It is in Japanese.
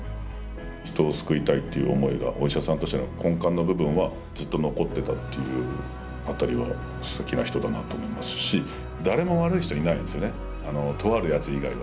人を救いたいっていう思いがお医者さんとしての根幹の部分はずっと残っていたっていうあたりはすてきな人だなと思いますし誰も悪い人いないんですよねとあるヤツ以外は。